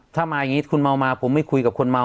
ถ้ามาอย่างนี้คุณเมามาผมไม่คุยกับคนเมา